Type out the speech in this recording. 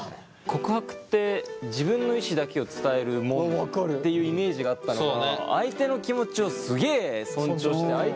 告白って自分の意思だけを伝えるものっていうイメージがあったのが相手の気持ちをすげえ尊重して相手を立てての告白だから。